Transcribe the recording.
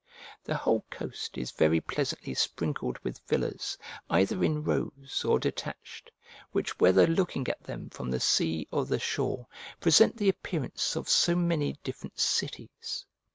The whole coast is very pleasantly sprinkled with villas either in rows or detached, which whether looking at them from the sea or the shore, present the appearance of so many different cities.